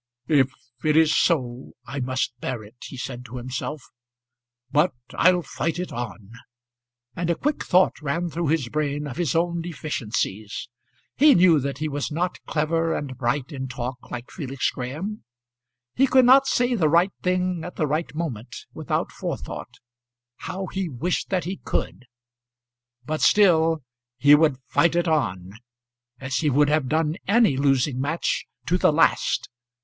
"If it is so I must bear it," he said to himself; "but I'll fight it on;" and a quick thought ran through his brain of his own deficiencies. He knew that he was not clever and bright in talk like Felix Graham. He could not say the right thing at the right moment without forethought. How he wished that he could! But still he would fight it on, as he would have done any losing match, to the last.